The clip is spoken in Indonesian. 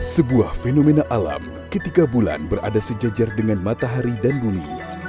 sebuah fenomena alam ketika bulan berada sejajar dengan matahari dan bumi